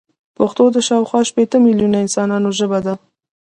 پښتو د شاوخوا شپيته ميليونه انسانانو ژبه ده.